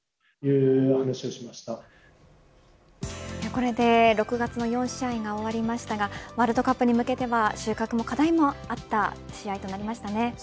これで６月の４試合が終わりましたがワールドカップに向けては収穫も課題もあった試合となりました。